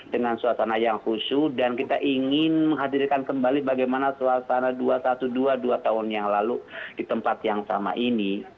dengan suasana yang khusyu dan kita ingin menghadirkan kembali bagaimana suasana dua ratus dua belas dua tahun yang lalu di tempat yang sama ini